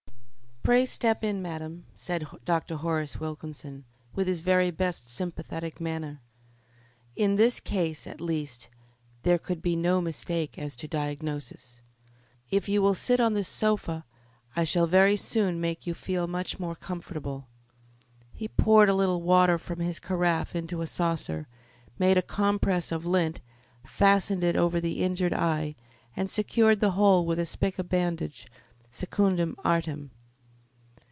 "Pray step in, madam," said Dr. Horace Wilkinson, with his very best sympathetic manner. In this case, at least, there could be no mistake as to diagnosis. "If you will sit on this sofa, I shall very soon make you feel much more comfortable." He poured a little water from his carafe into a saucer, made a compress of lint, fastened it over the injured eye, and secured the whole with a spica bandage, secundum artem.